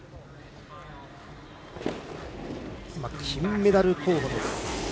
金メダル候補です。